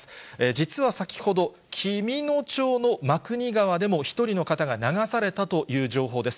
実は先ほど、紀美野町の真国川でも１人の方が流されたという情報です。